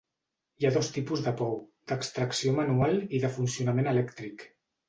Hi ha dos tipus de pou: d'extracció manual i de funcionament elèctric.